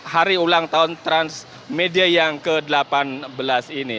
hari ulang tahun transmedia yang ke delapan belas ini